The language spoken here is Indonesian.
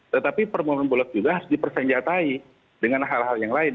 tetapi permohonan bulog juga harus dipersenjatai dengan hal hal yang lain